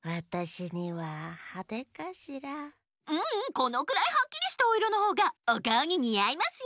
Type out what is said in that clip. このくらいはっきりしたおいろのほうがおかおににあいますよ。